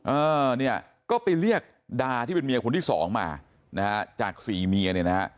เออเนี่ยก็ไปเรียกดาที่เป็นเมียคนที่สองมานะฮะจากสี่เมียเนี่ยนะฮะ